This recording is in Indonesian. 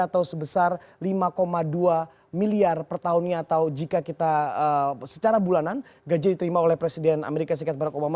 atau sebesar lima dua miliar per tahunnya atau jika kita secara bulanan gaji diterima oleh presiden amerika serikat barack obama